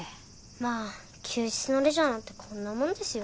まあ休日のレジャーなんてこんなもんですよ。